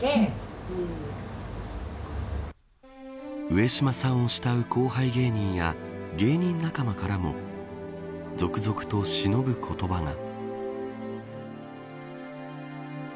上島さんを慕う後輩芸人や芸人仲間からも続々としのぶ言葉が。